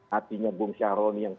hatinya bung syahroni yang